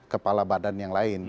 kepala badan yang lain